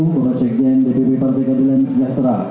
bapak sekjen dpp partai keadilan sejahtera